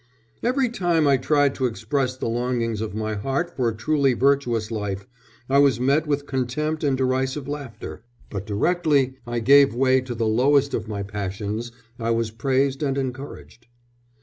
"Every time I tried to express the longings of my heart for a truly virtuous life I was met with contempt and derisive laughter, but directly I gave way to the lowest of my passions I was praised and encouraged."